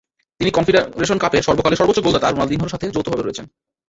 তিনি কনফেডারেশন কাপের সর্বকালের সর্বোচ্চ গোলদাতা রোনালদিনহোর সাথে যৌথভাবে রয়েছেন।